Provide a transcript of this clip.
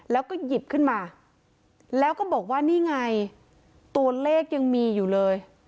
แล้วก็หยิบขึ้นมาแล้วก็บอกว่านี่ไงตัวเลขยังมีอยู่เลย